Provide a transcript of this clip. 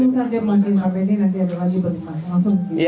satu saja pak bd nanti ada wajibnya